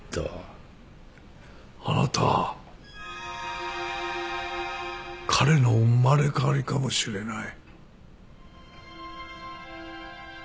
あなた彼の生まれ変わりかもしれない。